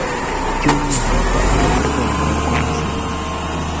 by’umwihariko abo mu rwego rw’ubuzima